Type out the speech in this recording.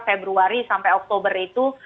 februari sampai oktober itu